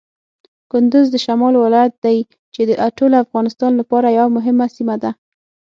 کندز د شمال ولایت دی چې د ټول افغانستان لپاره یوه مهمه سیمه ده.